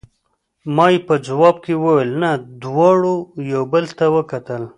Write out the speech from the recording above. ما یې په ځواب کې وویل: نه، دواړو یو بل ته وکتل.